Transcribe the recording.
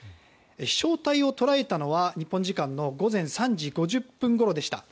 飛翔体を捉えたのは日本時間の午前３時５０分ごろでした。